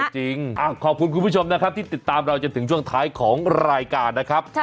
จริงขอบคุณคุณผู้ชมนะครับที่ติดตามเราจนถึงช่วงท้ายของรายการนะครับ